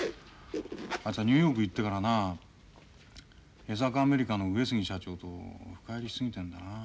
あいつはニューヨーク行ってからな江坂アメリカの上杉社長と深入りし過ぎてんだよなあ。